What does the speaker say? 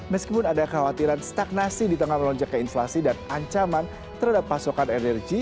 meskipun ada kekhawatiran stagnasi di tengah melonjak keinflasi dan ancaman terhadap pasokan energi